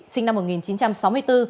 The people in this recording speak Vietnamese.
sinh năm một nghìn chín trăm sáu mươi bốn